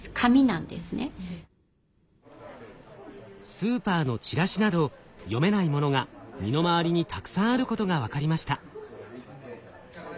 スーパーのチラシなど読めないものが身の回りにたくさんあることが分かりました。